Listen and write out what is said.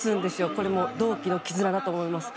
これも同期の絆だと思います。